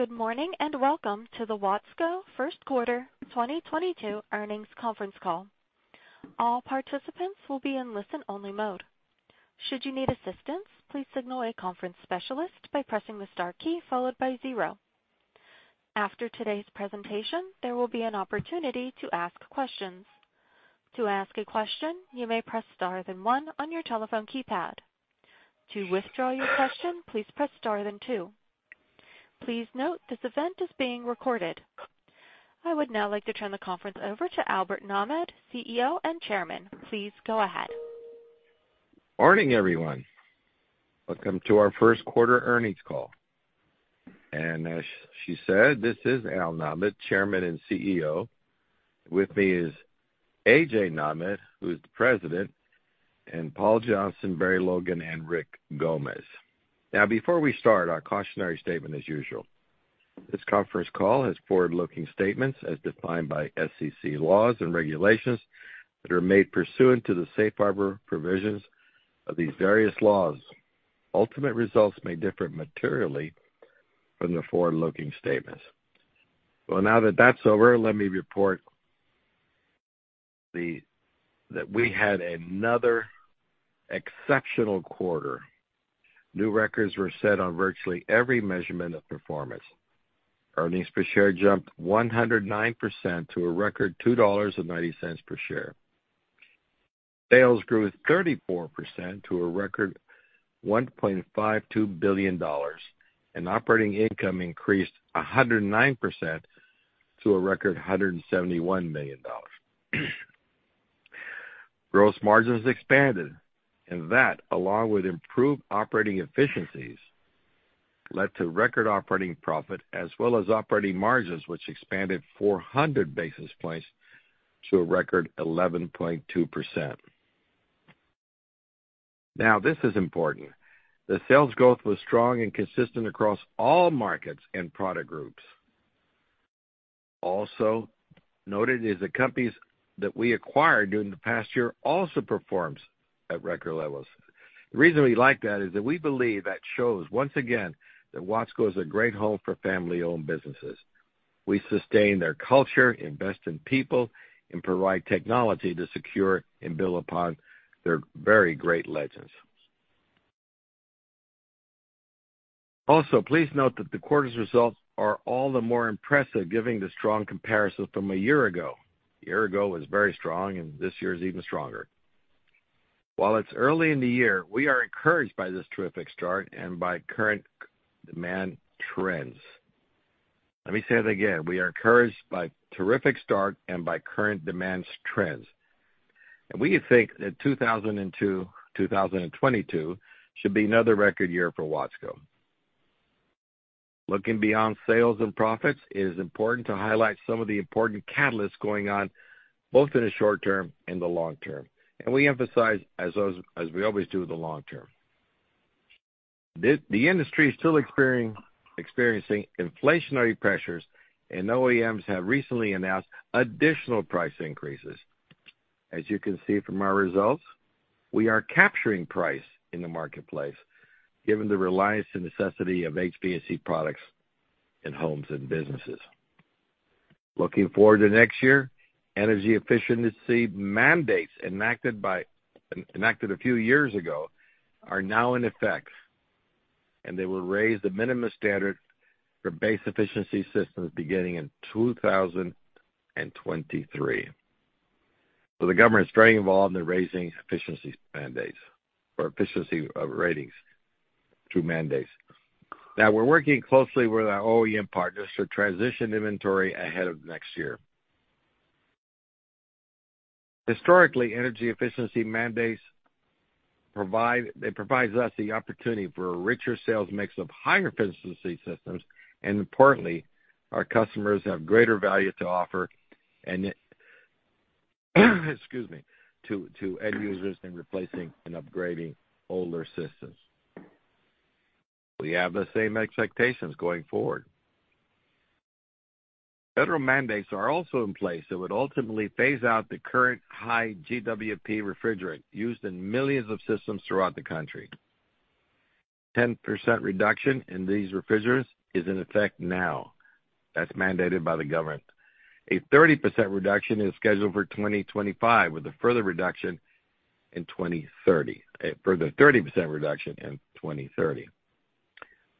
Good morning, and welcome to the Watsco first quarter 2022 earnings conference call. All participants will be in listen-only mode. Should you need assistance, please signal a conference specialist by pressing the star key followed by zero. After today's presentation, there will be an opportunity to ask questions. To ask a question, you may press star then one on your telephone keypad. To withdraw your question, please press star then two. Please note this event is being recorded. I would now like to turn the conference over to Albert Nahmad, Chairman and CEO. Please go ahead. Morning, everyone. Welcome to our first quarter earnings call. As she said, this is Al Nahmad, chairman and CEO. With me is A.J. Nahmad, who is the president, and Paul Johnston, Barry Logan, and Rick Gomez. Now before we start, our cautionary statement as usual. This conference call has forward-looking statements as defined by SEC laws and regulations that are made pursuant to the safe harbor provisions of these various laws. Ultimate results may differ materially from the forward-looking statements. Well, now that that's over, let me report that we had another exceptional quarter. New records were set on virtually every measurement of performance. Earnings per share jumped 109% to a record $2.90 per share. Sales grew 34% to a record $1.52 billion, and operating income increased 109% to a record $171 million. Gross margins expanded, and that, along with improved operating efficiencies, led to record operating profit as well as operating margins, which expanded 400 basis points to a record 11.2%. Now, this is important. The sales growth was strong and consistent across all markets and product groups. Also noted is the companies that we acquired during the past year also performs at record levels. The reason we like that is that we believe that shows once again that Watsco is a great home for family-owned businesses. We sustain their culture, invest in people, and provide technology to secure and build upon their very great legacies. Also, please note that the quarter's results are all the more impressive given the strong comparison from a year ago. A year ago was very strong, and this year is even stronger. While it's early in the year, we are encouraged by this terrific start and by current demand trends. Let me say that again. We are encouraged by terrific start and by current demand trends. We think that 2022 should be another record year for Watsco. Looking beyond sales and profits, it is important to highlight some of the important catalysts going on both in the short term and the long term. We emphasize those, as we always do, the long term. The industry is still experiencing inflationary pressures, and OEMs have recently announced additional price increases. As you can see from our results, we are capturing price in the marketplace given the reliance and necessity of HVAC products in homes and businesses. Looking forward to next year, energy efficiency mandates enacted a few years ago are now in effect, and they will raise the minimum standard for base efficiency systems beginning in 2023. The government is very involved in raising efficiency mandates or efficiency ratings through mandates. Now we're working closely with our OEM partners to transition inventory ahead of next year. Historically, energy efficiency mandates it provides us the opportunity for a richer sales mix of higher efficiency systems, and importantly, our customers have greater value to offer to end users in replacing and upgrading older systems. We have the same expectations going forward. Federal mandates are also in place that would ultimately phase out the current high GWP refrigerant used in millions of systems throughout the country. A 10% reduction in these refrigerants is in effect now. That's mandated by the government. A 30% reduction is scheduled for 2025, with a further 30% reduction in 2030.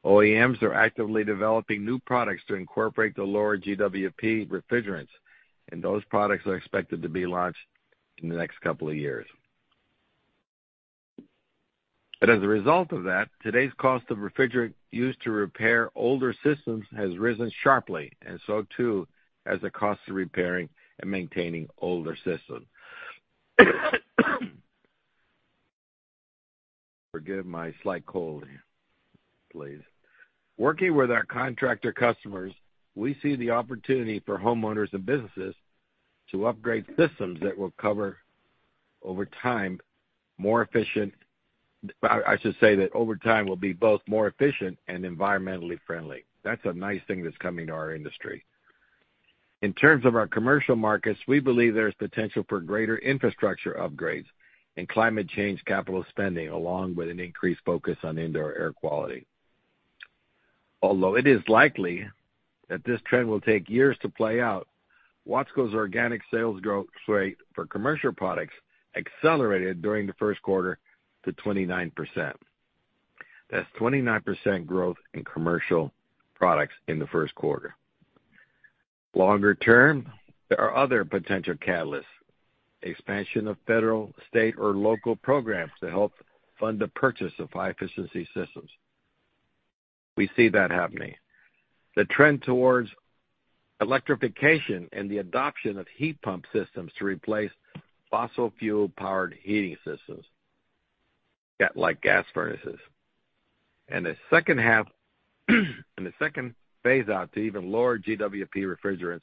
OEMs are actively developing new products to incorporate the lower GWP refrigerants, and those products are expected to be launched in the next couple of years. As a result of that, today's cost of refrigerant used to repair older systems has risen sharply and so too has the cost of repairing and maintaining older systems. Forgive my slight cold here, please. Working with our contractor customers, we see the opportunity for homeowners and businesses to upgrade systems that will cover over time, more efficient. I should say that over time will be both more efficient and environmentally friendly. That's a nice thing that's coming to our industry. In terms of our commercial markets, we believe there's potential for greater infrastructure upgrades and climate change capital spending, along with an increased focus on indoor air quality. Although it is likely that this trend will take years to play out, Watsco's organic sales growth rate for commercial products accelerated during the first quarter to 29%. That's 29% growth in commercial products in the first quarter. Longer term, there are other potential catalysts. Expansion of federal, state, or local programs to help fund the purchase of high-efficiency systems. We see that happening. The trend towards electrification and the adoption of heat pump systems to replace fossil fuel-powered heating systems like gas furnaces. The second phase out to even lower GWP refrigerants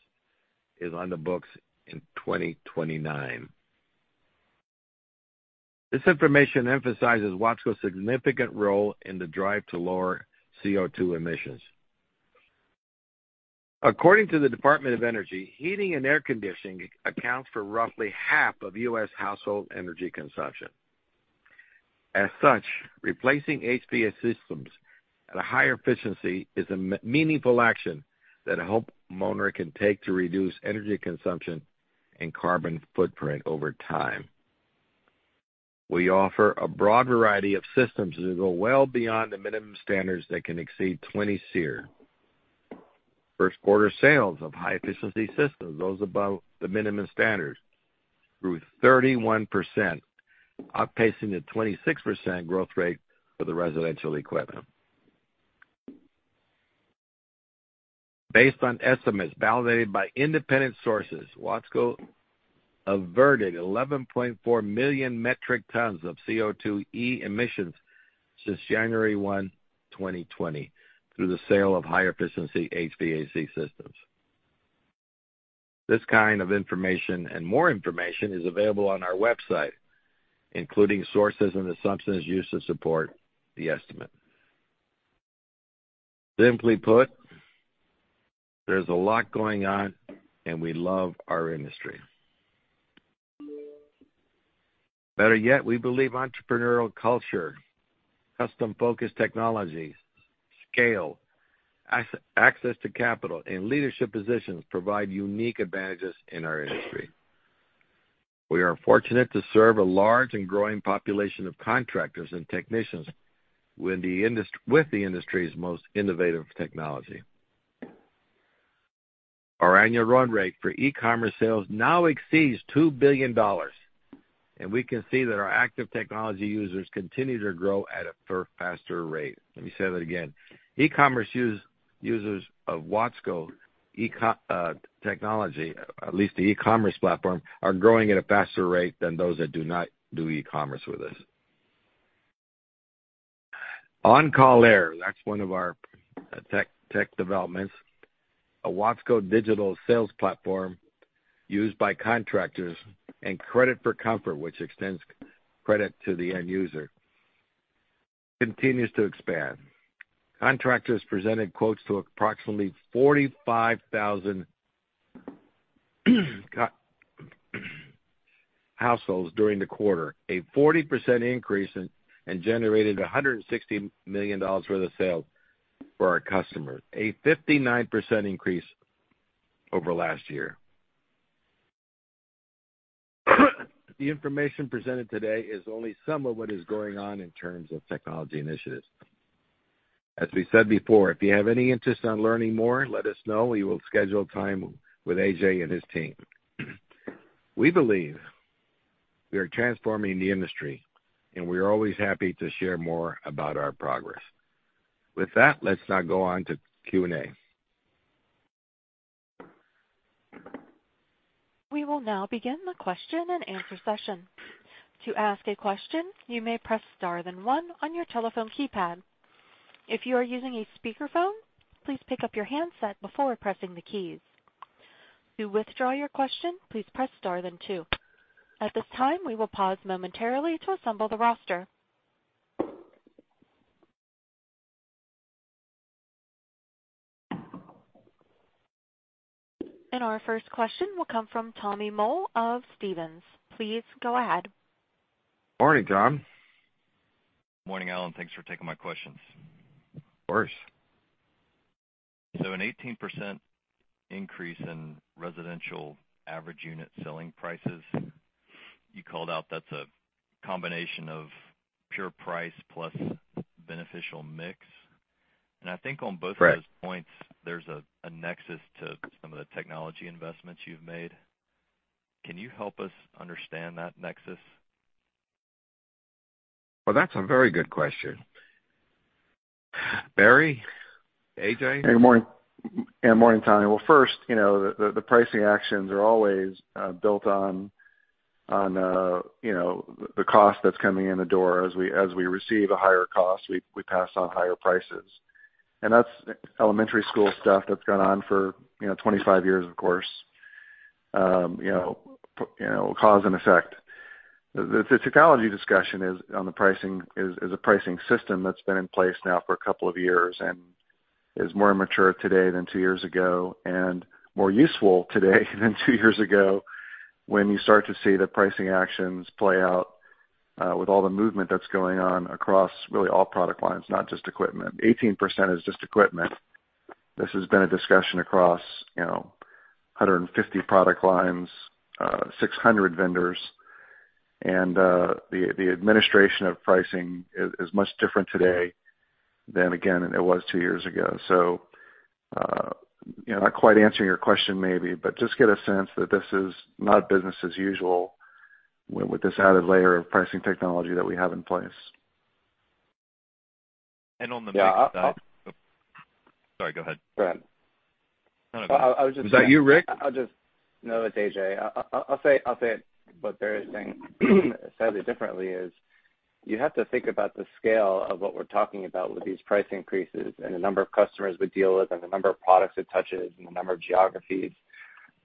is on the books in 2029. This information emphasizes Watsco's significant role in the drive to lower CO2 emissions. According to the Department of Energy, heating and air conditioning accounts for roughly half of U.S. household energy consumption. As such, replacing HVAC systems at a higher efficiency is a meaningful action that a homeowner can take to reduce energy consumption and carbon footprint over time. We offer a broad variety of systems that go well beyond the minimum standards that can exceed 20 SEER. First-quarter sales of high efficiency systems, those above the minimum standards, grew 31%, outpacing the 26% growth rate for the residential equipment. Based on estimates validated by independent sources, Watsco averted 11.4 million metric tons of CO2e emissions since January 1, 2020 through the sale of high-efficiency HVAC systems. This kind of information and more information is available on our website, including sources and assumptions used to support the estimate. Simply put, there's a lot going on and we love our industry. Better yet, we believe entrepreneurial culture, customer-focused technologies, scale, access to capital and leadership positions provide unique advantages in our industry. We are fortunate to serve a large and growing population of contractors and technicians with the industry's most innovative technology. Our annual run rate for e-commerce sales now exceeds $2 billion, and we can see that our active technology users continue to grow at a faster rate. Let me say that again. E-commerce users of Watsco e-commerce technology, at least the e-commerce platform, are growing at a faster rate than those that do not do e-commerce with us. OnCall Air, that's one of our tech developments, a Watsco digital sales platform used by contractors, and Credit for Comfort, which extends credit to the end user, continues to expand. Contractors presented quotes to approximately 45,000 households during the quarter, a 40% increase, and generated $160 million worth of sales for our customers, a 59% increase over last year. The information presented today is only some of what is going on in terms of technology initiatives. As we said before, if you have any interest in learning more, let us know. We will schedule time with A.J. and his team. We believe we are transforming the industry, and we are always happy to share more about our progress. With that, let's now go on to Q&A. We will now begin the question and answer session. To ask a question, you may press star then one on your telephone keypad. If you are using a speakerphone, please pick up your handset before pressing the keys. To withdraw your question, please press star then two. At this time, we will pause momentarily to assemble the roster. Our first question will come from Tommy Moll of Stephens. Please go ahead. Morning, Tom. Morning, Al. Thanks for taking my questions. Of course. An 18% increase in residential average unit selling prices. You called out that's a combination of pure price plus beneficial mix. I think on both- Right. Of those points, there's a nexus to some of the technology investments you've made. Can you help us understand that nexus? Well, that's a very good question. Barry? A.J.? Hey, good morning. Yeah, morning, Tommy. Well, first, you know, the pricing actions are always built on you know, the cost that's coming in the door. As we receive a higher cost, we pass on higher prices. That's elementary school stuff that's gone on for you know, 25 years, of course. You know, cause and effect. The technology discussion is on the pricing is a pricing system that's been in place now for a couple of years and is more mature today than two years ago, and more useful today than two years ago. When you start to see the pricing actions play out with all the movement that's going on across really all product lines, not just equipment. 18% is just equipment. This has been a discussion across, you know, 150 product lines, 600 vendors. The administration of pricing is much different today than it was two years ago. You know, not quite answering your question maybe, but just get a sense that this is not business as usual with this added layer of pricing technology that we have in place. On the mix side. Yeah. Sorry, go ahead. Go ahead. No, no. Was that you, Rick? It's A.J. I'll say it, what Barry is saying slightly differently is you have to think about the scale of what we're talking about with these price increases and the number of customers we deal with and the number of products it touches and the number of geographies.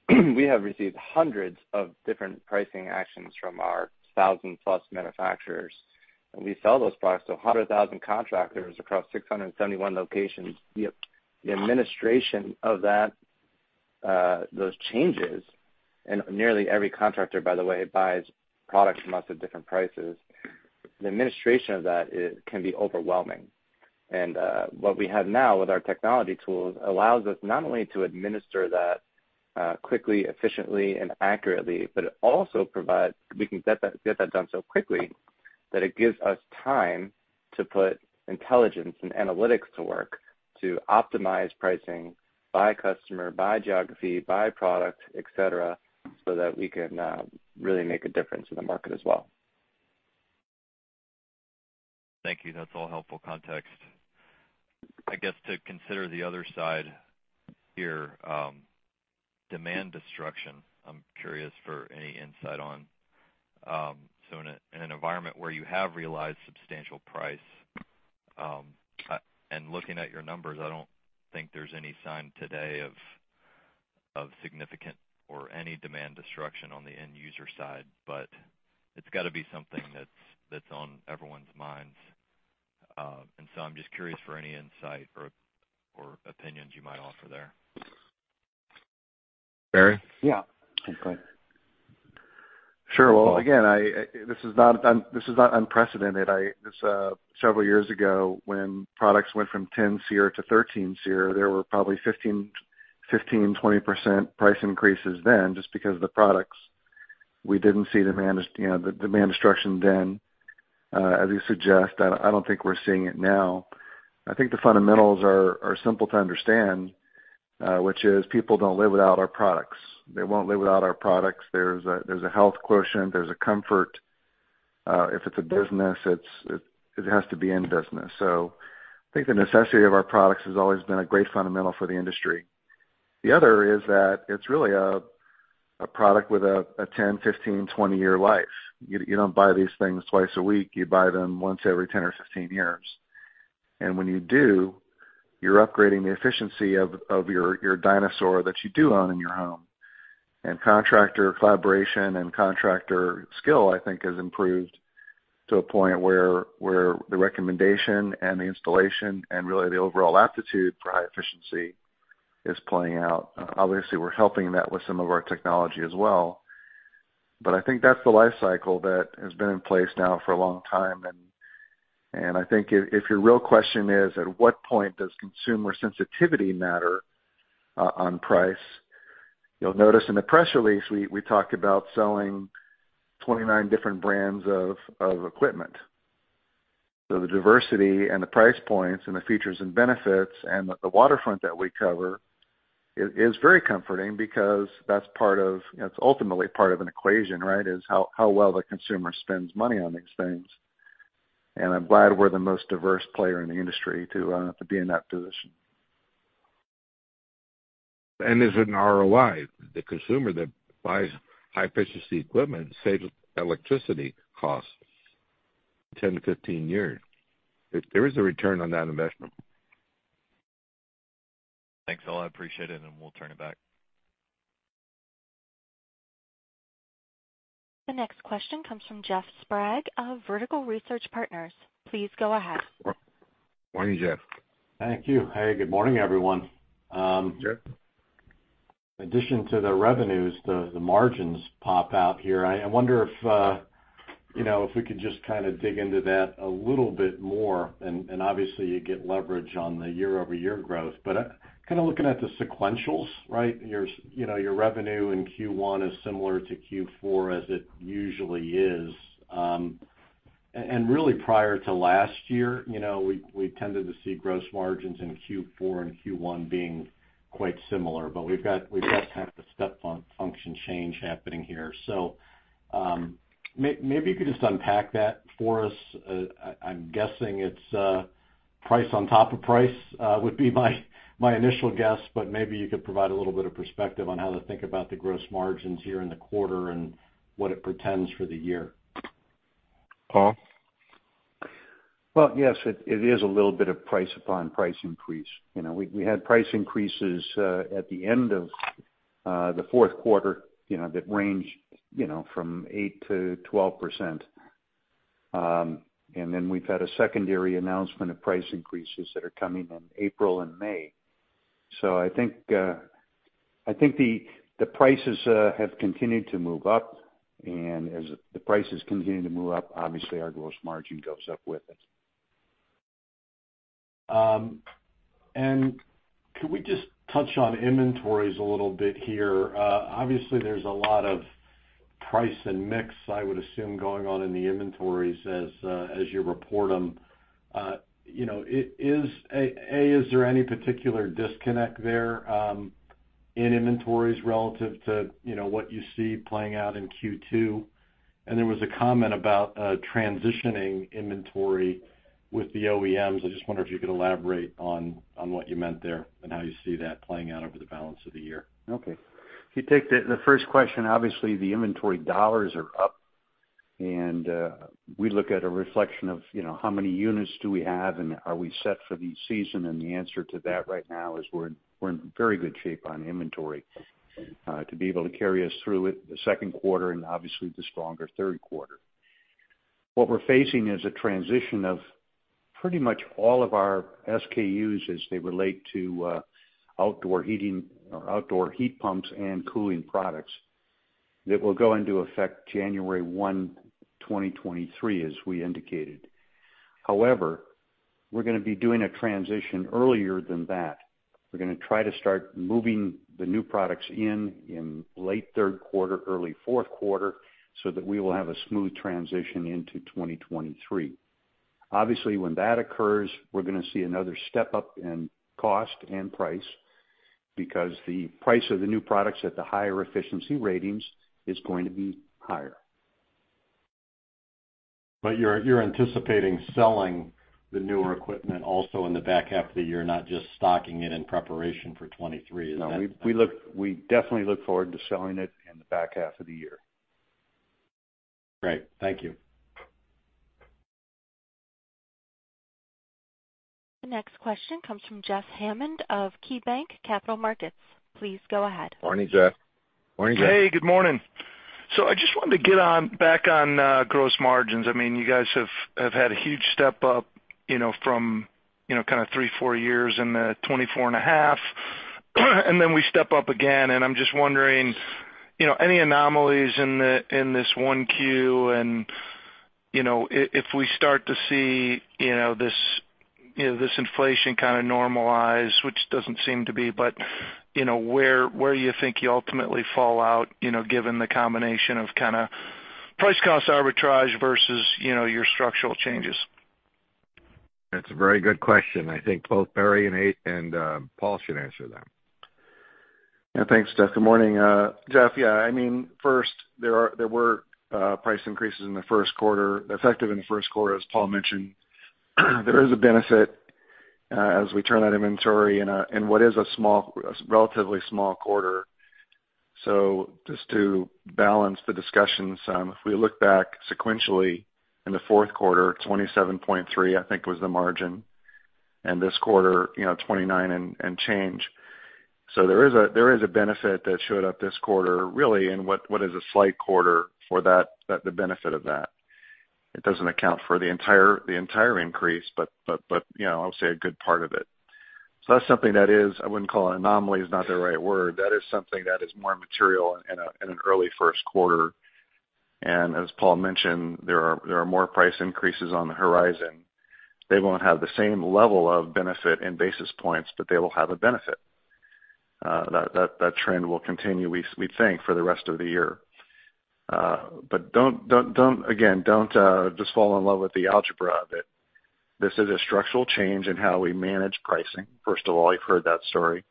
We have received hundreds of different pricing actions from our thousand-plus manufacturers. We sell those products to 100,000 contractors across 671 locations. The administration of that, those changes, and nearly every contractor, by the way, buys products from us at different prices. The administration of that can be overwhelming. What we have now with our technology tools allows us not only to administer that quickly, efficiently, and accurately, but it also provides we can get that done so quickly that it gives us time to put intelligence and analytics to work to optimize pricing by customer, by geography, by product, et cetera, so that we can really make a difference in the market as well. Thank you. That's all helpful context. I guess to consider the other side here, demand destruction, I'm curious for any insight on. In an environment where you have realized substantial price and looking at your numbers, I don't think there's any sign today of significant or any demand destruction on the end user side, but it's gotta be something that's on everyone's minds. I'm just curious for any insight or opinions you might offer there. Barry? Yeah. Go ahead. Sure. Well, again, this is not unprecedented. Several years ago, when products went from 10 SEER to 13 SEER, there were probably 15%-20% price increases then just because of the products. We didn't see demand destruction then, you know, as you suggest. I don't think we're seeing it now. I think the fundamentals are simple to understand, which is people don't live without our products. They won't live without our products. There's a health quotient, there's a comfort. If it's a business, it has to be in business. I think the necessity of our products has always been a great fundamental for the industry. The other is that it's really a product with a 10-, 15-, 20-year life. You don't buy these things twice a week. You buy them once every 10 or 15 years. When you do, you're upgrading the efficiency of your dinosaur that you own in your home. Contractor collaboration and contractor skill, I think, has improved to a point where the recommendation and the installation and really the overall aptitude for high efficiency is playing out. Obviously, we're helping that with some of our technology as well. I think that's the life cycle that has been in place now for a long time. I think if your real question is, at what point does consumer sensitivity matter on price? You'll notice in the press release we talked about selling 29 different brands of equipment. The diversity and the price points and the features and benefits and the waterfront that we cover is very comforting because that's part of, you know, it's ultimately part of an equation, right? How well the consumer spends money on these things. I'm glad we're the most diverse player in the industry to be in that position. There's an ROI. The consumer that buys high-efficiency equipment saves electricity costs 10-15 years. There is a return on that investment. Thanks a lot. I appreciate it, and we'll turn it back. The next question comes from Jeff Sprague of Vertical Research Partners. Please go ahead. Morning, Jeff. Thank you. Hey, good morning, everyone. Jeff. In addition to the revenues, the margins pop out here. I wonder if, you know, if we could just kind of dig into that a little bit more. Obviously, you get leverage on the year-over-year growth. Kind of looking at the sequentials, right? You know, your revenue in Q1 is similar to Q4, as it usually is. Really prior to last year, you know, we tended to see gross margins in Q4 and Q1 being quite similar, but we've got kind of a step function change happening here. Maybe you could just unpack that for us. I'm guessing it's price on top of price would be my initial guess, but maybe you could provide a little bit of perspective on how to think about the gross margins here in the quarter and what it portends for the year. Paul? Well, yes, it is a little bit of price upon price increase. You know, we had price increases at the end of the fourth quarter, you know, that range, you know, from 8%-12%. We've had a secondary announcement of price increases that are coming in April and May. I think the prices have continued to move up, and as the prices continue to move up, obviously our gross margin goes up with it. Could we just touch on inventories a little bit here? Obviously, there's a lot of price and mix, I would assume, going on in the inventories as you report them. You know, is there any particular disconnect there in inventories relative to what you see playing out in Q2? There was a comment about transitioning inventory with the OEMs. I just wonder if you could elaborate on what you meant there and how you see that playing out over the balance of the year. Okay. If you take the first question, obviously the inventory dollars are up, and we look at a reflection of, you know, how many units do we have, and are we set for the season? The answer to that right now is we're in very good shape on inventory to be able to carry us through the second quarter and obviously the stronger third quarter. What we're facing is a transition of pretty much all of our SKUs as they relate to outdoor heating or outdoor heat pumps and cooling products that will go into effect January 1, 2023, as we indicated. However, we're gonna be doing a transition earlier than that. We're gonna try to start moving the new products in late third quarter, early fourth quarter, so that we will have a smooth transition into 2023. Obviously, when that occurs, we're gonna see another step-up in cost and price because the price of the new products at the higher efficiency ratings is going to be higher. You're anticipating selling the newer equipment also in the back half of the year, not just stocking it in preparation for 2023, is that? No, we definitely look forward to selling it in the back half of the year. Great. Thank you. The next question comes from Jeff Hammond of KeyBanc Capital Markets. Please go ahead. Morning, Jeff. Morning, Jeff. Hey, good morning. I just wanted to get back on gross margins. I mean, you guys have had a huge step up, you know, from kinda three, four years in the 24.5%. Then we step up again, and I'm just wondering, you know, any anomalies in this one Q. If we start to see, you know, this inflation kinda normalize, which doesn't seem to be, but, you know, where you think you ultimately fall out, you know, given the combination of kinda price cost arbitrage versus, you know, your structural changes. That's a very good question. I think both Barry and A.J. and Paul should answer that. Yeah. Thanks, Jeff. Good morning. Jeff, yeah, I mean, first there were price increases in the first quarter, effective in the first quarter, as Paul mentioned. There is a benefit as we turn that inventory in what is a relatively small quarter. Just to balance the discussion, if we look back sequentially in the fourth quarter, 27.3%, I think, was the margin. This quarter, you know, 29% and change. There is a benefit that showed up this quarter really in what is a slow quarter for that, the benefit of that. It doesn't account for the entire increase, but you know, I would say a good part of it. That's something that is. I wouldn't call it anomaly. Anomaly is not the right word. That is something that is more material in an early first quarter. As Paul mentioned, there are more price increases on the horizon. They won't have the same level of benefit in basis points, but they will have a benefit. That trend will continue we think for the rest of the year. But don't just fall in love with the algebra of it. This is a structural change in how we manage pricing. First of all, you've heard that story.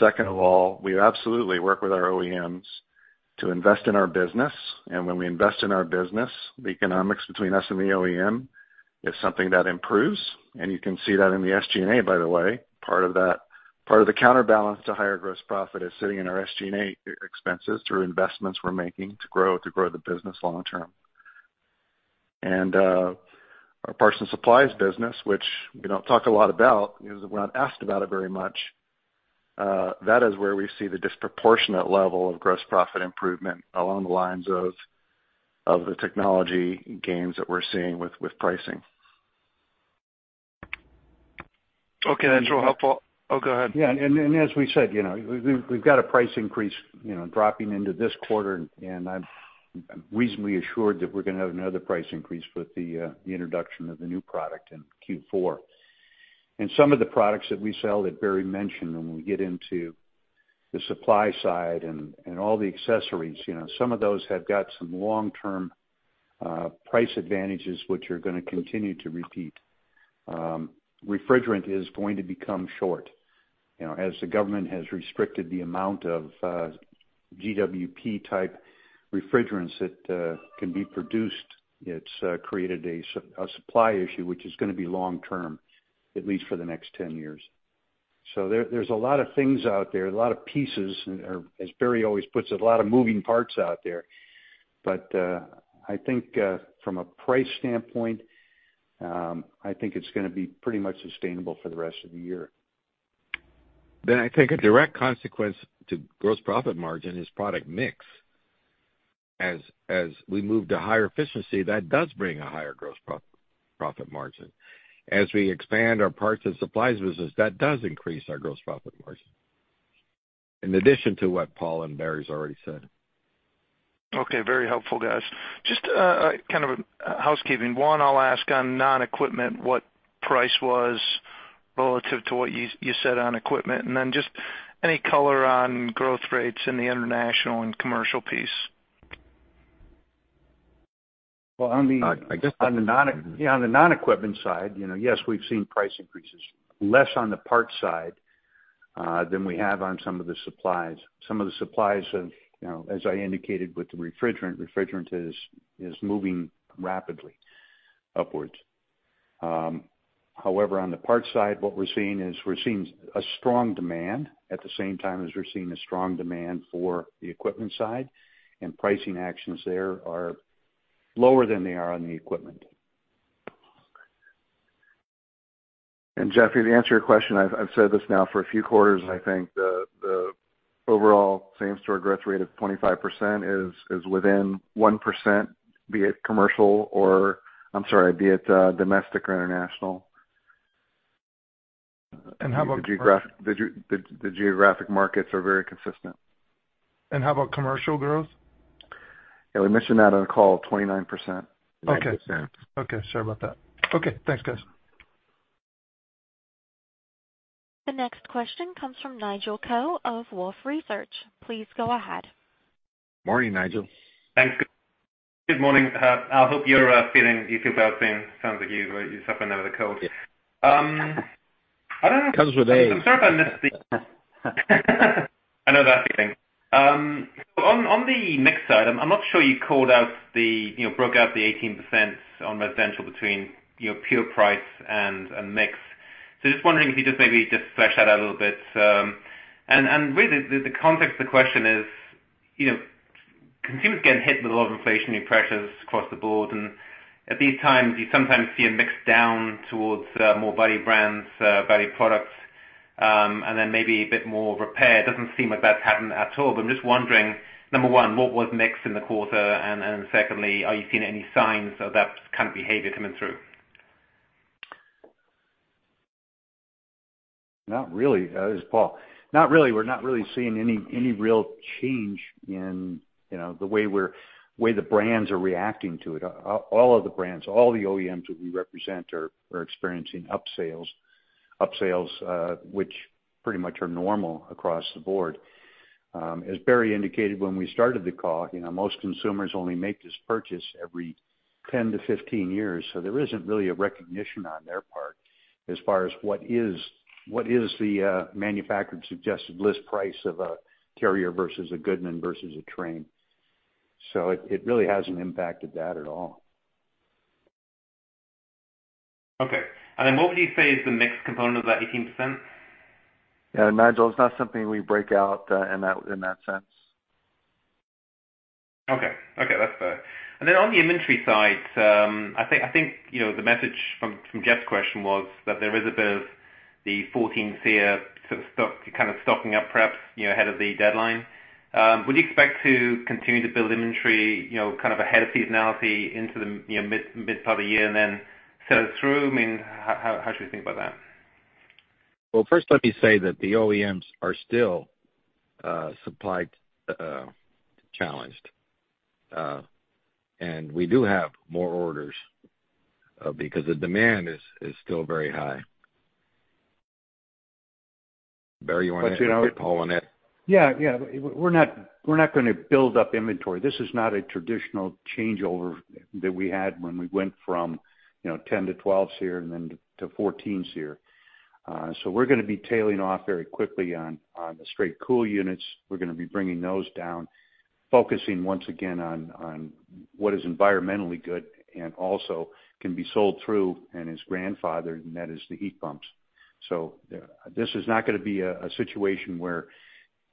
Second of all, we absolutely work with our OEMs to invest in our business. When we invest in our business, the economics between us and the OEM is something that improves. You can see that in the SG&A, by the way. Part of the counterbalance to higher gross profit is sitting in our SG&A expenses through investments we're making to grow the business long term. Our parts and supplies business, which we don't talk a lot about because we're not asked about it very much, that is where we see the disproportionate level of gross profit improvement along the lines of the technology gains that we're seeing with pricing. Okay. That's real helpful. Oh, go ahead. As we said, you know, we've got a price increase, you know, dropping into this quarter, and I'm reasonably assured that we're gonna have another price increase with the introduction of the new product in Q4. Some of the products that we sell that Barry mentioned when we get into the supply side and all the accessories, you know, some of those have got some long-term price advantages which are gonna continue to repeat. Refrigerant is going to become short. You know, as the government has restricted the amount of GWP type refrigerants that can be produced, it's created a supply issue, which is gonna be long term, at least for the next 10 years. There, there's a lot of things out there, a lot of pieces or as Barry always puts it, a lot of moving parts out there. I think, from a price standpoint, I think it's gonna be pretty much sustainable for the rest of the year. I think a direct consequence to gross profit margin is product mix. As we move to higher efficiency, that does bring a higher gross profit margin. As we expand our parts and supplies business, that does increase our gross profit margin. In addition to what Paul and Barry's already said. Okay. Very helpful, guys. Just kind of a housekeeping. One, I'll ask on non-equipment, what price was relative to what you said on equipment? Then just any color on growth rates in the international and commercial piece. Well, on the I-I guess- Yeah, on the non-equipment side, you know, yes, we've seen price increases, less on the parts side than we have on some of the supplies. Some of the supplies have, you know, as I indicated with the refrigerant is moving rapidly upwards. However, on the parts side, what we're seeing is we're seeing a strong demand at the same time as we're seeing a strong demand for the equipment side, and pricing actions there are lower than they are on the equipment. Jeff, to answer your question, I've said this now for a few quarters, and I think the overall same store growth rate of 25% is within 1%, be it commercial or, I'm sorry, be it domestic or international. How about- The geographic markets are very consistent. How about commercial growth? Yeah, we mentioned that on the call, 29%. Okay. 9%. Okay. Sorry about that. Okay, thanks, guys. The next question comes from Nigel Coe of Wolfe Research. Please go ahead. Morning, Nigel. Thanks. Good morning. I hope you feel better. Sounds like you're suffering from the cold. Yeah. I don't know. Comes with age. I'm sorry if I missed the. I know that feeling. On the mix side, I'm not sure you called out the, you know, broke out the 18% on residential between, you know, pure price and mix. So just wondering if you could just maybe just flesh that out a little bit. Really the context of the question is, you know, consumers are getting hit with a lot of inflationary pressures across the board, and at these times, you sometimes see a mix down towards more value brands, value products, and then maybe a bit more repair. It doesn't seem like that's happened at all. I'm just wondering, number one, what was mixed in the quarter? Secondly, are you seeing any signs of that kind of behavior coming through? Not really. This is Paul. Not really. We're not really seeing any real change in, you know, the way the brands are reacting to it. All of the brands, all the OEMs that we represent are experiencing upsales, which pretty much are normal across the board. As Barry indicated when we started the call, you know, most consumers only make this purchase every 10-15 years, so there isn't really a recognition on their part as far as what is the manufacturer's suggested list price of a Carrier versus a Goodman versus a Trane. It really hasn't impacted that at all. Okay. What would you say is the mix component of that 18%? Yeah, Nigel, it's not something we break out in that sense. Okay. Okay, that's fair. On the inventory side, I think you know, the message from Jeff's question was that there is a bit of the 14 SEER stock kind of stocking up perhaps you know, ahead of the deadline. Would you expect to continue to build inventory you know, kind of ahead of seasonality into the you know, mid part of the year and then sell it through? I mean, how should we think about that? Well, first let me say that the OEMs are still supply challenged. We do have more orders because the demand is still very high. Barry, you wanna- You know. Paul wanna- Yeah. We're not gonna build up inventory. This is not a traditional changeover that we had when we went from, you know, 10-12 SEER and then to 14 SEER. We're gonna be tailing off very quickly on the straight cool units. We're gonna be bringing those down, focusing once again on what is environmentally good and also can be sold through and is grandfathered, and that is the heat pumps. This is not gonna be a situation where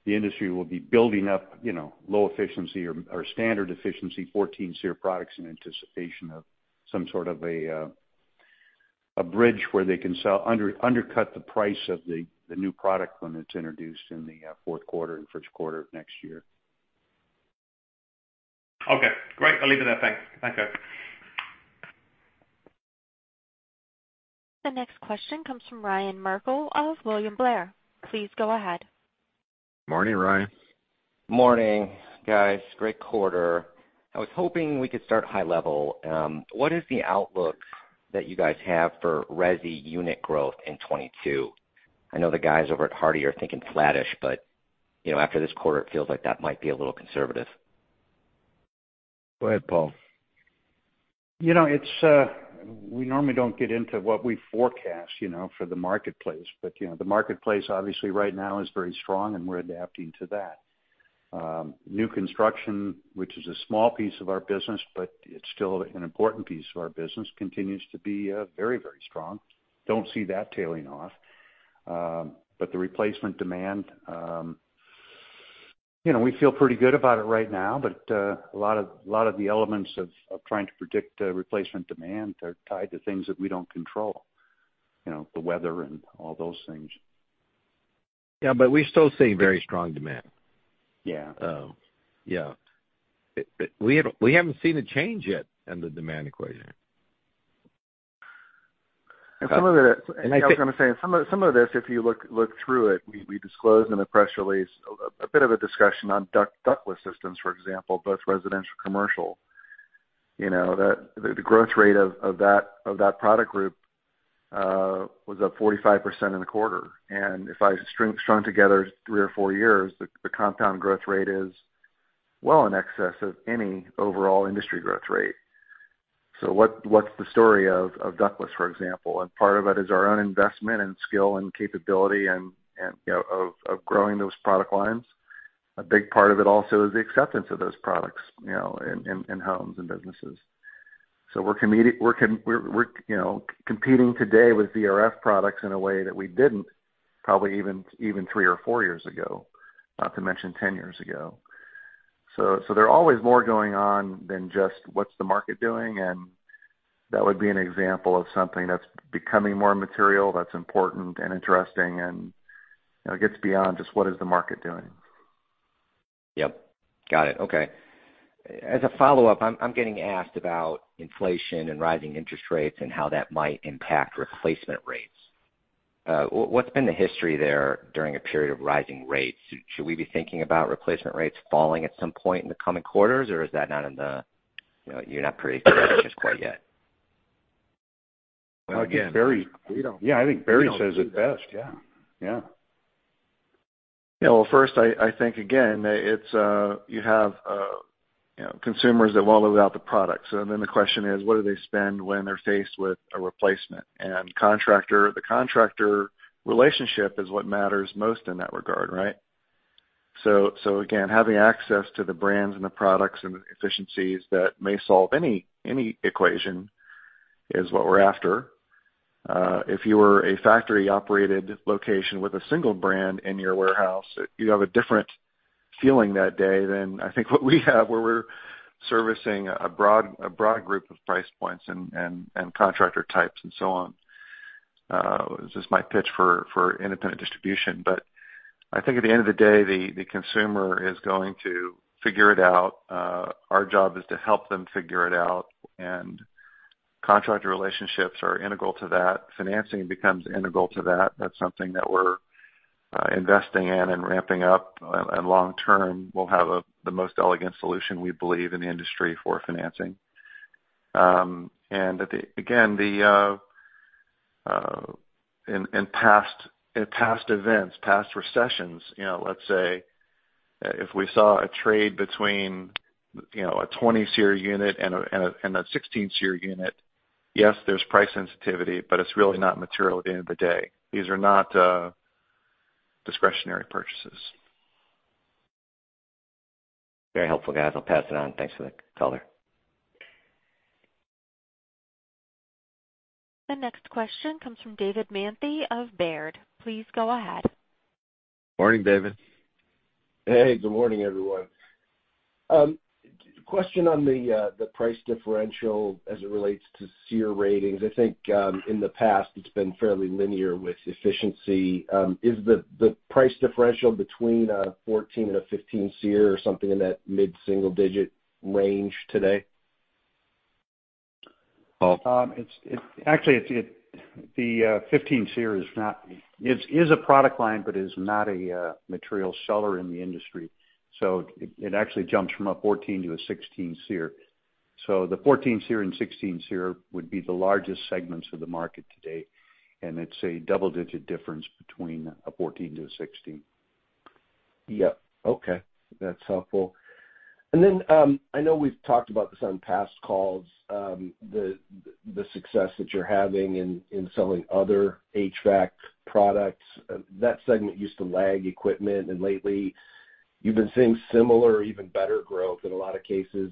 the industry will be building up, you know, low efficiency or standard efficiency 14 SEER products in anticipation of some sort of a bridge where they can sell undercut the price of the new product when it's introduced in the fourth quarter and first quarter of next year. Okay, great. I'll leave it there. Thanks. Thank you. The next question comes from Ryan Merkel of William Blair. Please go ahead. Morning, Ryan. Morning, guys. Great quarter. I was hoping we could start high level. What is the outlook that you guys have for resi unit growth in 2022? I know the guys over at HARDI are thinking flattish, but, you know, after this quarter, it feels like that might be a little conservative. Go ahead, Paul. You know, we normally don't get into what we forecast, you know, for the marketplace, but, you know, the marketplace obviously right now is very strong, and we're adapting to that. New construction, which is a small piece of our business, but it's still an important piece of our business, continues to be very, very strong. Don't see that tailing off. The replacement demand, you know, we feel pretty good about it right now, a lot of the elements of trying to predict replacement demand are tied to things that we don't control, you know, the weather and all those things. Yeah, we still see very strong demand. Yeah. Yeah. We haven't seen a change yet in the demand equation. Some of it. I think. I was gonna say some of this, if you look through it, we disclosed in the press release a bit of a discussion on ductless systems, for example, both residential, commercial. You know, that the growth rate of that product group was up 45% in the quarter. If I strung together three or four years, the compound growth rate is well in excess of any overall industry growth rate. What's the story of ductless, for example? Part of it is our own investment and skill and capability and, you know, of growing those product lines. A big part of it also is the acceptance of those products, you know, in homes and businesses. We're competing today with VRF products in a way that we didn't probably even three or four years ago, not to mention 10 years ago. There are always more going on than just what's the market doing, and that would be an example of something that's becoming more material that's important and interesting and, you know, gets beyond just what is the market doing. Yep. Got it. Okay. As a follow-up, I'm getting asked about inflation and rising interest rates and how that might impact replacement rates. What's been the history there during a period of rising rates? Should we be thinking about replacement rates falling at some point in the coming quarters, or is that not in the, you know, you're not predicting that just quite yet? Well, again, Barry- We don't. Yeah. I think Barry says it best. Yeah. Yeah. Yeah. Well, first, I think again, it's, you have, you know, consumers that won't live without the product. The question is what do they spend when they're faced with a replacement? The contractor relationship is what matters most in that regard, right? Again, having access to the brands and the products and the efficiencies that may solve any equation is what we're after. If you were a factory-operated location with a single brand in your warehouse, you have a different feeling that day than, I think, what we have, where we're servicing a broad group of price points and contractor types and so on. This is my pitch for independent distribution. I think at the end of the day, the consumer is going to figure it out. Our job is to help them figure it out, and contractor relationships are integral to that. Financing becomes integral to that. That's something that we're investing in and ramping up. Long term, we'll have the most elegant solution we believe in the industry for financing. In past events, past recessions, you know, let's say if we saw a trade between, you know, a 20 SEER unit and a 16 SEER unit, yes, there's price sensitivity, but it's really not material at the end of the day. These are not discretionary purchases. Very helpful, guys. I'll pass it on. Thanks for the color. The next question comes from David Manthey of Baird. Please go ahead. Morning, David. Hey, good morning, everyone. Question on the price differential as it relates to SEER ratings. I think, in the past it's been fairly linear with efficiency. Is the price differential between a 14 and a 15 SEER or something in that mid-single digit range today? Paul? Actually, the 15 SEER is a product line, but is not a material seller in the industry. It actually jumps from a 14 to a 16 SEER. The 14 SEER and 16 SEER would be the largest segments of the market today, and it's a double-digit difference between a 14 to a 16. Yep. Okay. That's helpful. I know we've talked about this on past calls, the success that you're having in selling other HVAC products. That segment used to lag equipment, and lately you've been seeing similar or even better growth in a lot of cases.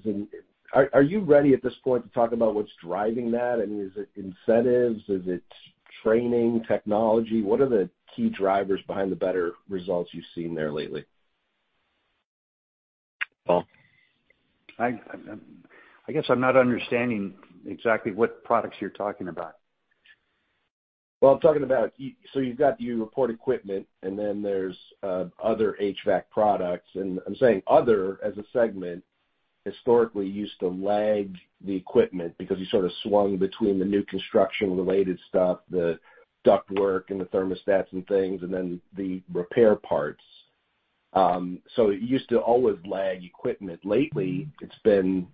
Are you ready at this point to talk about what's driving that? I mean, is it incentives? Is it training, technology? What are the key drivers behind the better results you've seen there lately? Paul? I guess I'm not understanding exactly what products you're talking about. Well, I'm talking about so you've got, you report equipment and then there's other HVAC products. I'm saying other as a segment historically used to lag the equipment because you sort of swung between the new construction related stuff, the ductwork and the thermostats and things, and then the repair parts. It used to always lag equipment. Lately, it's been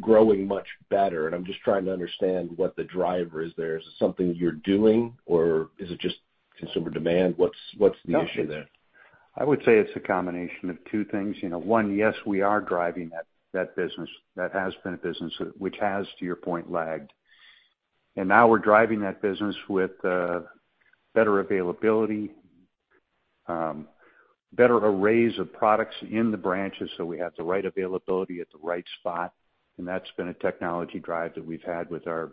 growing much better and I'm just trying to understand what the driver is there. Is it something you're doing or is it just consumer demand? What's the issue there? I would say it's a combination of two things. You know, one, yes, we are driving that business. That has been a business which has, to your point, lagged. Now we're driving that business with better availability, better arrays of products in the branches, so we have the right availability at the right spot, and that's been a technology drive that we've had with our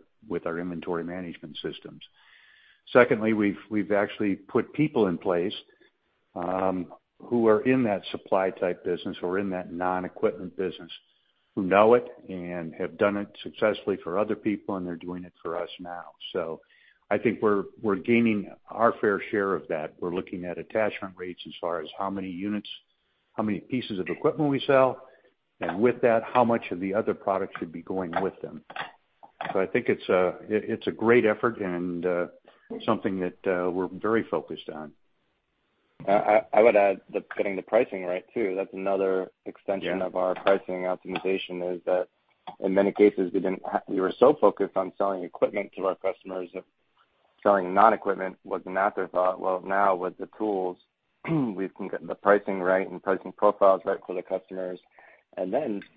inventory management systems. Secondly, we've actually put people in place, who are in that supply type business or in that non-equipment business who know it and have done it successfully for other people, and they're doing it for us now. I think we're gaining our fair share of that. We're looking at attachment rates as far as how many units, how many pieces of equipment we sell, and with that, how much of the other products should be going with them. I think it's a great effort and something that we're very focused on. I would add getting the pricing right too. That's another extension. Yeah. Part of our pricing optimization is that in many cases, we were so focused on selling equipment to our customers that selling non-equipment was an afterthought. Well, now with the tools, we can get the pricing right and pricing profiles right for the customers.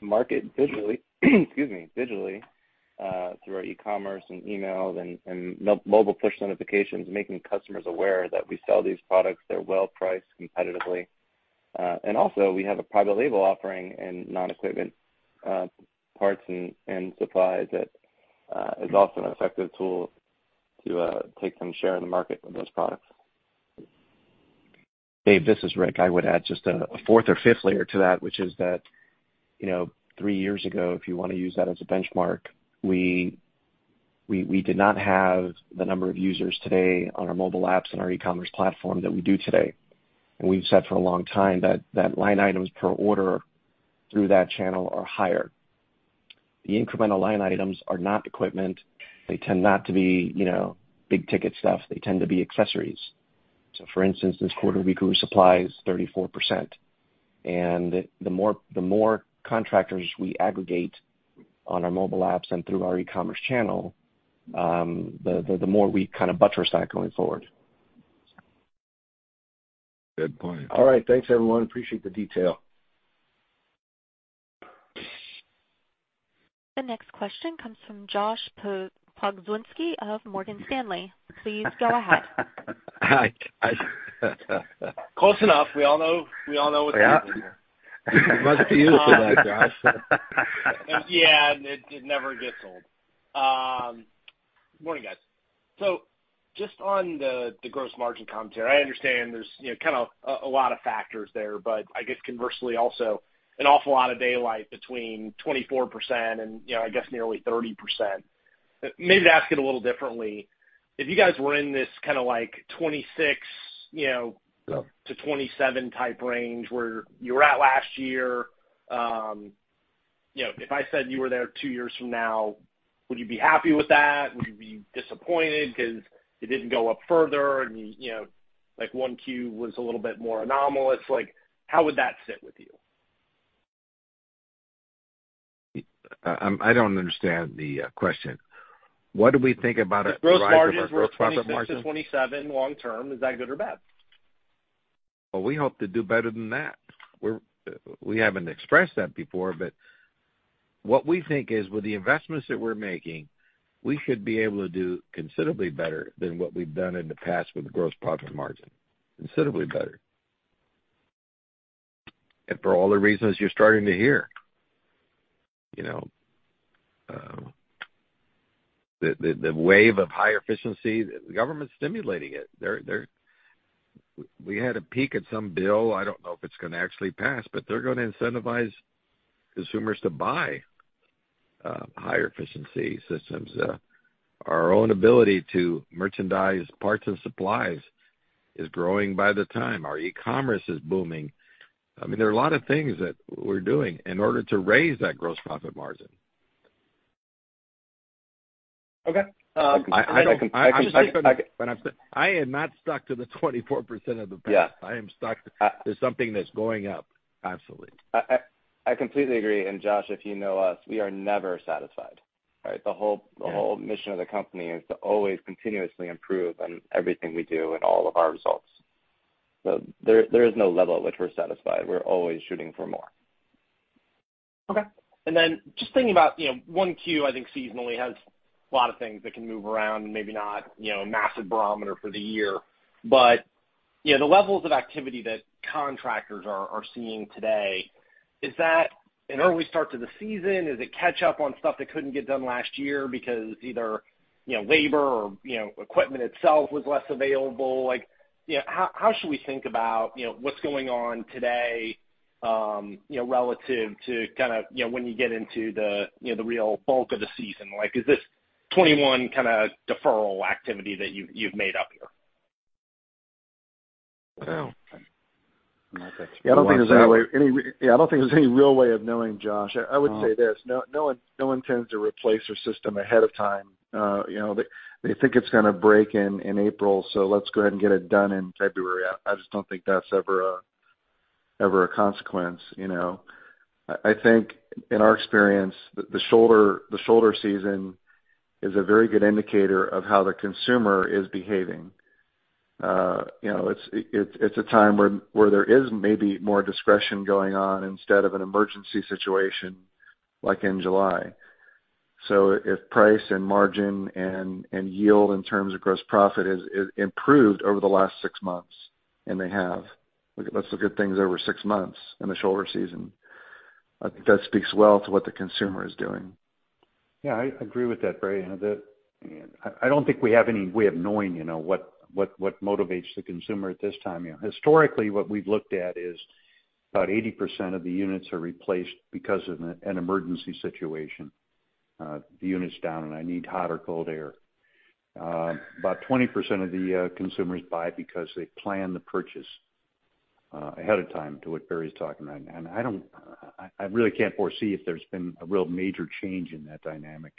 Market, excuse me, digitally, through our e-commerce and emails and mobile push notifications, making customers aware that we sell these products, they're well-priced competitively. We have a private label offering in non-equipment parts and supplies that is also an effective tool to take some share in the market with those products. Dave, this is Rick. I would add just a fourth or fifth layer to that, which is that, you know, three years ago, if you wanna use that as a benchmark, we did not have the number of users today on our mobile apps and our e-commerce platform that we do today. We've said for a long time that line items per order through that channel are higher. The incremental line items are not equipment. They tend not to be, you know, big ticket stuff. They tend to be accessories. For instance, this quarter, we grew supplies 34%. The more contractors we aggregate on our mobile apps and through our e-commerce channel, the more we kinda buttress that going forward. Good point. All right. Thanks, everyone. Appreciate the detail. The next question comes from Josh Pokrzywinski of Morgan Stanley. Please go ahead. Hi. Close enough. We all know what's happening here. Yeah. It must be you for that, Josh. Yeah. It never gets old. Morning, guys. Just on the gross margin commentary. I understand there's you know kinda a lot of factors there, but I guess conversely also an awful lot of daylight between 24% and, you know, I guess nearly 30%. Maybe to ask it a little differently, if you guys were in this kinda like 26%-27% type range where you were at last year, you know, if I said you were there two years from now, would you be happy with that? Would you be disappointed 'cause it didn't go up further and you know, like one Q was a little bit more anomalous? Like, how would that sit with you? I don't understand the question. What do we think about our- If gross margins were. Rise of our gross profit margin? 26-27 long-term, is that good or bad? Well, we hope to do better than that. We haven't expressed that before, but what we think is with the investments that we're making, we should be able to do considerably better than what we've done in the past with the gross profit margin. Considerably better. For all the reasons you're starting to hear, you know. The wave of high efficiency, the government's stimulating it. We had a peek at some bill, I don't know if it's gonna actually pass, but they're gonna incentivize consumers to buy higher efficiency systems. Our own ability to merchandise parts and supplies is growing all the time. Our e-commerce is booming. I mean, there are a lot of things that we're doing in order to raise that gross profit margin. Okay. I'm sticking with what I'm saying. I am not stuck to the 24% of the past. Yeah. I am stuck to something that's going up. Absolutely. I completely agree. Josh, if you know us, we are never satisfied, right? Yeah. The whole mission of the company is to always continuously improve on everything we do and all of our results. There is no level at which we're satisfied. We're always shooting for more. Okay. Then just thinking about, you know, one Q, I think seasonally has a lot of things that can move around and maybe not, you know, a massive barometer for the year. You know, the levels of activity that contractors are seeing today, is that an early start to the season? Is it catch up on stuff that couldn't get done last year because either, you know, labor or, you know, equipment itself was less available? Like, you know, how should we think about, you know, what's going on today, you know, relative to kinda, you know, when you get into the, you know, the real bulk of the season? Like, is this 2021 kinda deferral activity that you've made up here? Well... I don't think there's any way. Yeah, I don't think there's any real way of knowing, Josh. I would say this, no one tends to replace their system ahead of time. You know, they think it's gonna break in April, so let's go ahead and get it done in February. I just don't think that's ever a consequence, you know. I think in our experience, the shoulder season is a very good indicator of how the consumer is behaving. You know, it's a time where there is maybe more discretion going on instead of an emergency situation like in July. If price and margin and yield in terms of gross profit is improved over the last six months, and they have. Let's look at things over six months in the shoulder season. I think that speaks well to what the consumer is doing. Yeah, I agree with that, Barry. I don't think we have any way of knowing, you know, what motivates the consumer at this time. Historically, what we've looked at is about 80% of the units are replaced because of an emergency situation. The unit's down, and I need hot or cold air. About 20% of the consumers buy because they plan the purchase ahead of time to what Barry's talking about. I really can't foresee if there's been a real major change in that dynamic.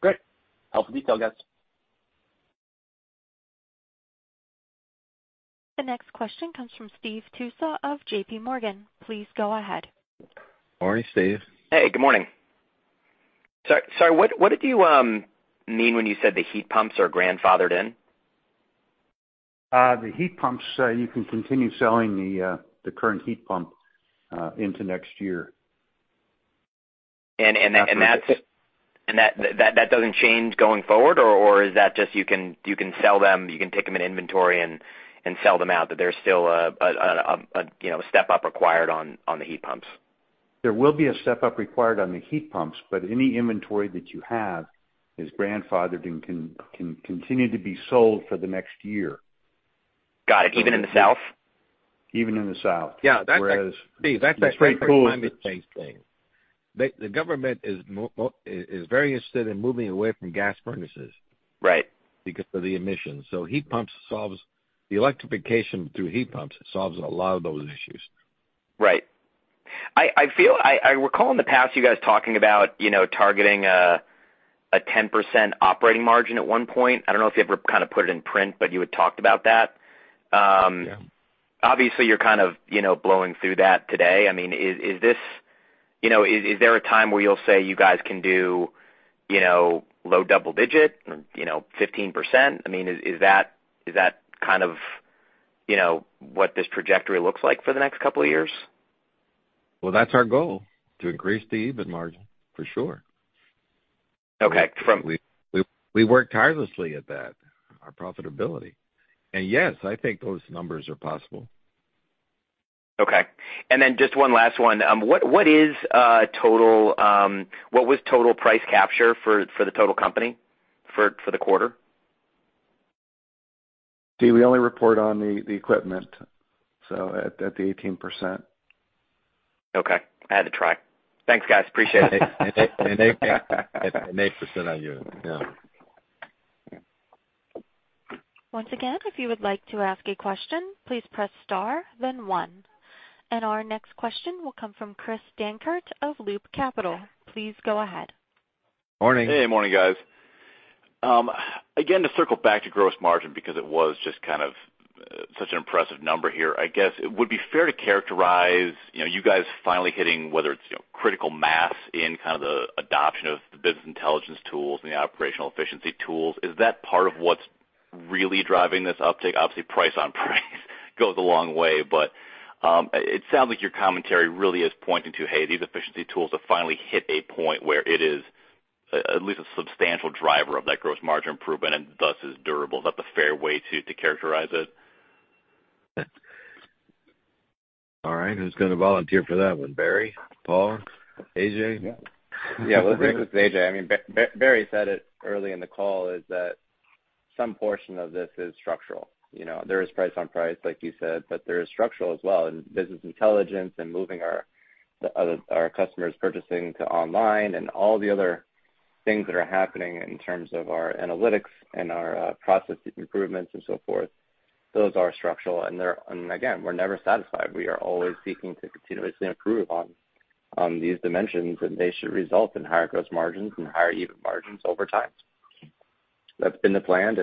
Great. Helpful detail, guys. The next question comes from Steve Tusa of J.P. Morgan. Please go ahead. Morning, Steve. Hey, good morning. Sorry, what did you mean when you said the heat pumps are grandfathered in? The heat pumps, you can continue selling the current heat pump into next year. That doesn't change going forward, or is that just you can sell them, you can take them in inventory and sell them out, that there's still a you know, a step-up required on the heat pumps? There will be a step-up required on the heat pumps, but any inventory that you have is grandfathered and can continue to be sold for the next year. Got it. Even in the South? Even in the South. Yeah. Whereas- Steve, that's a great climate-based thing. The government is very interested in moving away from gas furnaces. Right. Because of the emissions. Heat pumps solves the electrification through heat pumps, solves a lot of those issues. Right. I recall in the past you guys talking about, you know, targeting a 10% operating margin at one point. I don't know if you ever kind of put it in print, but you had talked about that. Obviously you're kind of, you know, blowing through that today. I mean, you know, is there a time where you'll say you guys can do, you know, low double digit, you know, 15%? I mean, is that kind of, you know, what this trajectory looks like for the next couple of years? Well, that's our goal to increase the EBIT margin, for sure. Okay. We work tirelessly at that, our profitability. Yes, I think those numbers are possible. What was total price capture for the total company for the quarter? Steve, we only report on the equipment, so at the 18%. Okay. I had to try. Thanks, guys. Appreciate it. An 8% on units. Yeah. Once again, if you would like to ask a question, please press star then one. Our next question will come from Chris Dankert of Loop Capital. Please go ahead. Morning. Hey, morning, guys. Again, to circle back to gross margin because it was just kind of such an impressive number here. I guess it would be fair to characterize, you know, you guys finally hitting whether it's, you know, critical mass in kind of the adoption of the business intelligence tools and the operational efficiency tools. Is that part of what's really driving this uptick? Obviously, price on price goes a long way, but it sounds like your commentary really is pointing to, hey, these efficiency tools have finally hit a point where it is at least a substantial driver of that gross margin improvement and thus is durable. Is that the fair way to characterize it? All right, who's gonna volunteer for that one? Barry? Paul? A.J.? Yeah. Well, this is A.J. I mean, Barry said it early in the call, that some portion of this is structural. You know, there is price on price, like you said, but there is structural as well. Business intelligence and moving our customers purchasing to online and all the other things that are happening in terms of our analytics and our process improvements and so forth, those are structural. They're, and again, we're never satisfied. We are always seeking to continuously improve on these dimensions, and they should result in higher gross margins and higher EBIT margins over time. That's been the plan.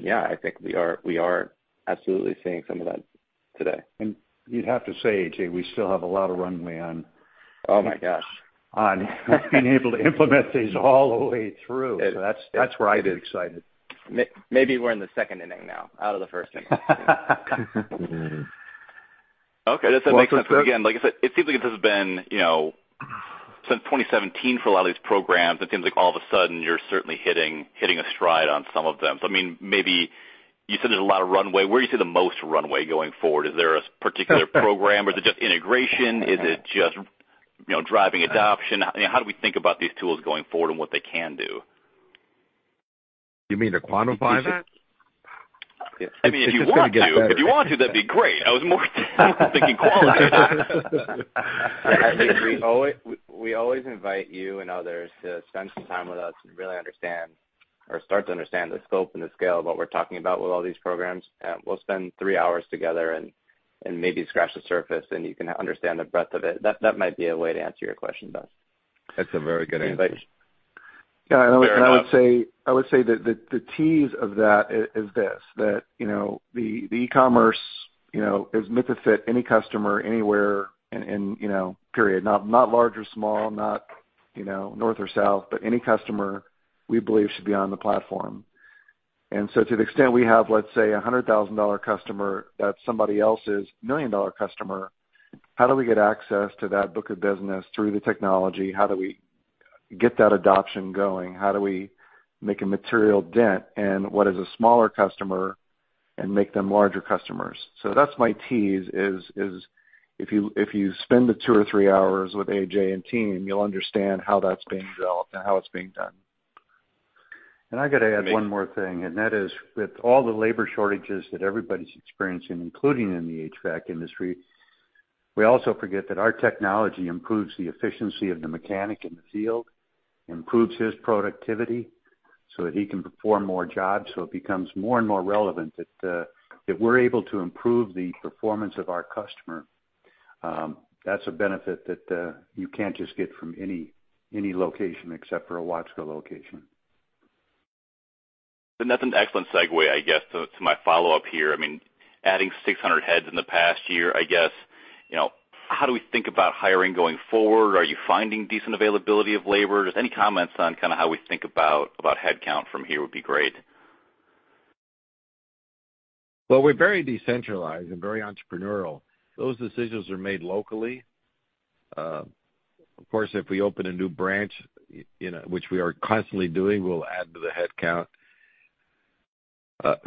Yeah, I think we are absolutely seeing some of that today. You'd have to say, A.J., we still have a lot of runway on- Oh, my gosh. On being able to implement these all the way through. That's where I get excited. Maybe we're in the second inning now, out of the first inning. Okay. That makes sense. Again, like I said, it seems like this has been, you know, since 2017 for a lot of these programs. It seems like all of a sudden you're certainly hitting a stride on some of them. So I mean, maybe you said there's a lot of runway. Where do you see the most runway going forward? Is there a particular program, or is it just integration? Is it just, you know, driving adoption? How do we think about these tools going forward and what they can do? You mean to quantify that? I mean, if you want to. If you want to, that'd be great. I was more thinking qualify that. We always invite you and others to spend some time with us and really understand or start to understand the scope and the scale of what we're talking about with all these programs. We'll spend three hours together and maybe scratch the surface, and you can understand the breadth of it. That might be a way to answer your question best. That's a very good answer. Invite you. Yeah, I would say that the tease of that is this, that you know the e-commerce you know is meant to fit any customer anywhere and you know period. Not large or small, not You know, north or south, but any customer we believe should be on the platform. To the extent we have, let's say, a $100,000 customer that's somebody else's $1 million customer, how do we get access to that book of business through the technology? How do we get that adoption going? How do we make a material dent in what is a smaller customer and make them larger customers? That's my tease is if you spend the two or three hours with A.J. and team, you'll understand how that's being developed and how it's being done. I got to add one more thing, and that is with all the labor shortages that everybody's experiencing, including in the HVAC industry, we also forget that our technology improves the efficiency of the mechanic in the field, improves his productivity so that he can perform more jobs. It becomes more and more relevant that if we're able to improve the performance of our customer, that's a benefit that you can't just get from any location except for a Watsco location. That's an excellent segue, I guess, to my follow-up here. I mean, adding 600 heads in the past year, I guess, you know, how do we think about hiring going forward? Are you finding decent availability of labor? Just any comments on kind of how we think about headcount from here would be great. Well, we're very decentralized and very entrepreneurial. Those decisions are made locally. Of course, if we open a new branch, you know, which we are constantly doing, we'll add to the headcount.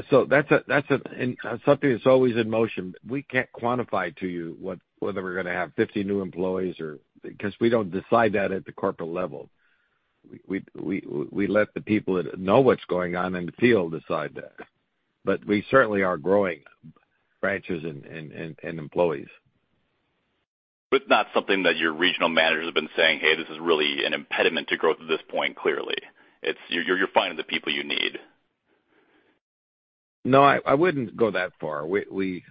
So that's something that's always in motion. We can't quantify to you whether we're gonna have 50 new employees, because we don't decide that at the corporate level. We let the people that know what's going on in the field decide that. But we certainly are growing branches and employees. It's not something that your regional managers have been saying, "Hey, this is really an impediment to growth at this point," clearly. It's you're finding the people you need. No, I wouldn't go that far. We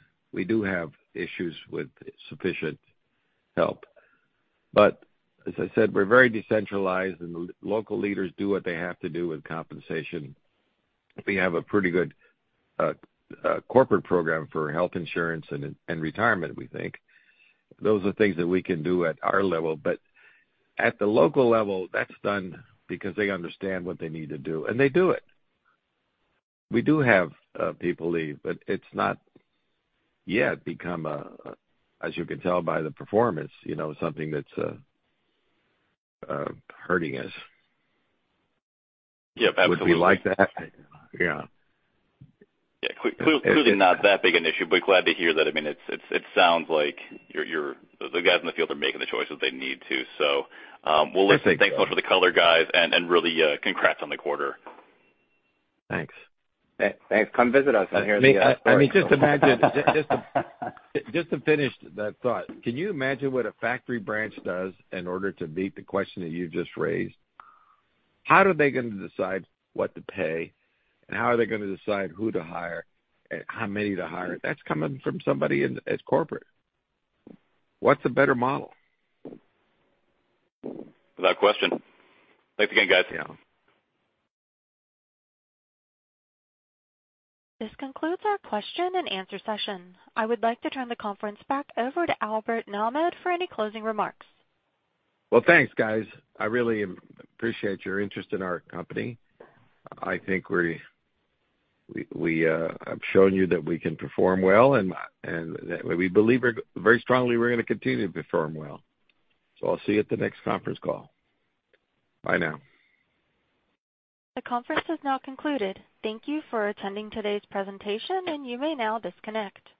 do have issues with sufficient help. As I said, we're very decentralized, and local leaders do what they have to do with compensation. We have a pretty good corporate program for health insurance and retirement, we think. Those are things that we can do at our level, but at the local level, that's done because they understand what they need to do, and they do it. We do have people leave, but it's not yet become a, as you can tell by the performance, you know, something that's hurting us. Yeah. Absolutely. Would we like that? Yeah. Yeah. Clearly not that big an issue, but glad to hear that. I mean, it sounds like you're. The guys in the field are making the choices they need to. Well, listen, thanks so much for the color, guys, and really congrats on the quarter. Thanks. Thanks. Come visit us out here in the. I mean, just imagine. Just to finish that thought, can you imagine what a factory branch does in order to meet the question that you just raised? How do they gonna decide what to pay, and how are they gonna decide who to hire and how many to hire? That's coming from somebody in as corporate. What's a better model? Without question. Thanks again, guys. Yeah. This concludes our question and answer session. I would like to turn the conference back over to Albert Nahmad for any closing remarks. Well, thanks, guys. I really appreciate your interest in our company. I think we have shown you that we can perform well, and we believe very strongly we're gonna continue to perform well. I'll see you at the next conference call. Bye now. The conference has now concluded. Thank you for attending today's presentation, and you may now disconnect.